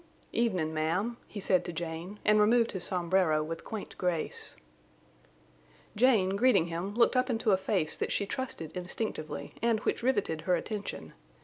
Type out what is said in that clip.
"Evenin', ma'am," he said to Jane, and removed his sombrero with quaint grace. Jane, greeting him, looked up into a face that she trusted instinctively and which riveted her attention.